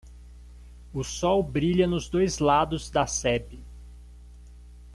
O sol brilha nos dois lados da sebe.